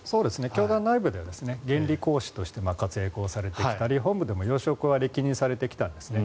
教団内部では原理講師として活躍されてきたり本部でも要職は歴任されてきたんですね